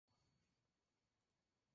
¿que nosotras no partiéramos?